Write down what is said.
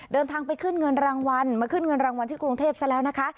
เดินทางไปขึ้นเงินรางวัลมาขึ้นเงินรางวัลที่กรุงเทพซะแล้วนะคะ